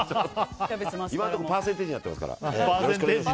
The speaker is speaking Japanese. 今のところパーセンテージになっています。